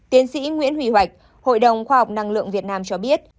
tiến sĩ nguyễn hủy hoạch hội đồng khoa học năng lượng việt nam cho biết